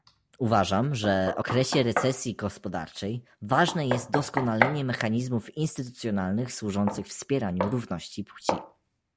Uważam, że okresie recesji gospodarczej ważne jest doskonalenie mechanizmów instytucjonalnych służących wspieraniu równości płci